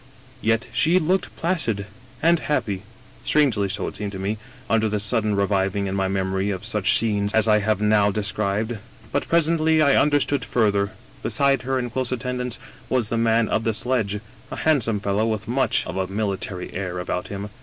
" Yet she looked placid and happy ; strangely so, it seemed to me, under the sudden reviving in my memory of such scenes as I have now described. But presently I understood further: beside her, in close attendance, was the man of the sledge, a handsome fellow with much of a military air about him.